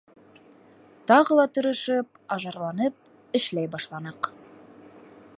Тағы ла тырышып, ажарланып, эшләй башланыҡ.